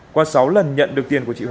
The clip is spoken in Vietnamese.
qua sáu lần nhận được tiền của chị huệ